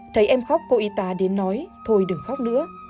thấy em khóc cô y tá đến nói thôi được khóc nữa